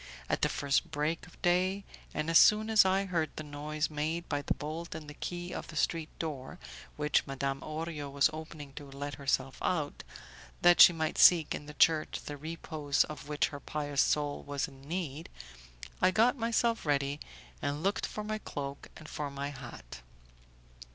At the first break of day, and as soon as I heard the noise made by the bolt and the key of the street door, which Madame Orio was opening to let herself out, that she might seek in the church the repose of which her pious soul was in need, I got myself ready and looked for my cloak and for my hat.